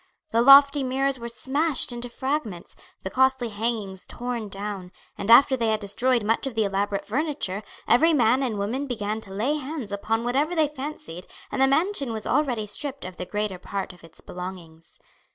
The lofty mirrors were smashed into fragments, the costly hangings torn down, and after they had destroyed much of the elaborate furniture, every man and woman began to lay hands upon whatever they fancied and the mansion was already stripped of the greater part of its belongings.